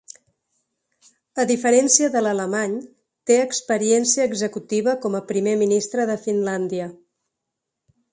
A diferència de l’alemany, té experiència executiva com a primer ministre de Finlàndia.